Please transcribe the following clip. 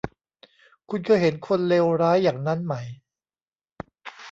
คุณเคยเห็นคนเลวร้ายอย่างนั้นไหม